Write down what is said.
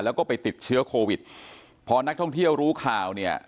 แล้วก็ไปติดเชื้อโควิดพอนักท่องเที่ยวรู้ข่าวเนี่ย